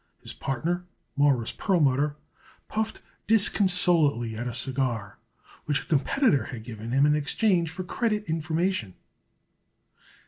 His partner, Morris Perlmutter, puffed disconsolately at a cigar which a competitor had given him in exchange for credit information.